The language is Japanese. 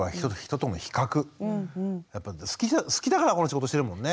やっぱり好きだからこの仕事してるもんね。